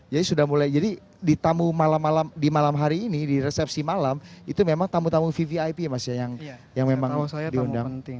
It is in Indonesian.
jadi sudah mulai jadi di tamu malam malam di malam hari ini di resepsi malam itu memang tamu tamu vvip mas ya yang memang diundang